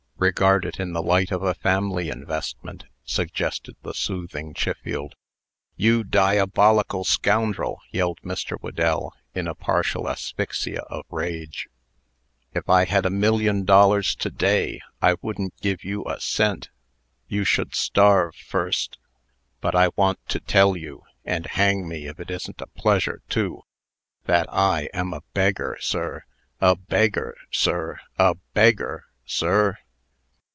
"Regard it in the light of a family investment," suggested the soothing Chiffield. "You diabolical scoundrel!" yelled Mr. Whedell, in a partial asphyxia of rage; "if I had a million dollars to day, I wouldn't give you a cent. You should starve first. But I want to tell you and hang me if it isn't a pleasure, too that I am a beggar, sir a beggar, sir a beggar, sir!